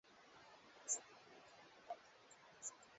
inakuwa ni umempa tu mtu cheo